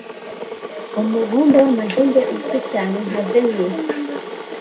Umubumbe w'amahembe uzwi cyane nka Venus